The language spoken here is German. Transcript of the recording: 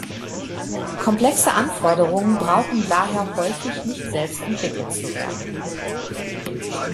Komplexe Anforderungen brauchen daher häufig nicht selbst entwickelt zu werden.